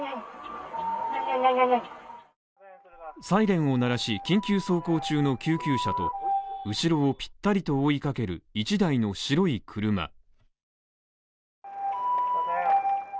サイレンを鳴らし、緊急走行中の救急車と後ろをぴったりと追いかける１台の白い車。